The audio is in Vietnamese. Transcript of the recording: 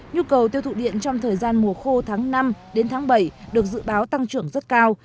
nhu cầu tiêu thụ điện trong thời gian mùa khô tháng năm đến tháng bảy được dự báo tăng trưởng rất cao